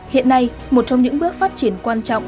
hiện nay một trong những bước phát triển quan trọng